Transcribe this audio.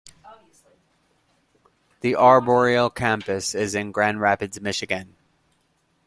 The arboreal campus is in Grand Rapids, Michigan.